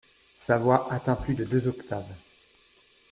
Sa voix atteint plus de deux octaves.